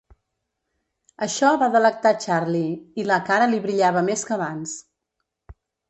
Això va delectar Charley, i la cara li brillava més que abans.